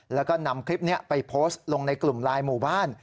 แล้วก็นำคลิปนี้ไปโพสต์ลงในกลุ่มไลน์หมู่บ้าน